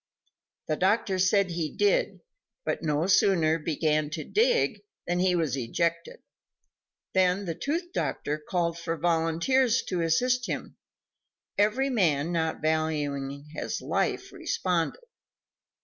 The doctor said he did, but no sooner began to dig than he was ejected. Then the tooth doctor called for volunteers to assist him; every man not valuing his life responded.